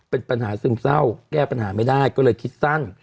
เป็นปัญหาซึมเศร้าแก้ปัญหาไม่ได้ก็เลยคิดสั้น